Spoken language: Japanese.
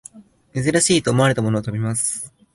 珍しいと思われたものを食べます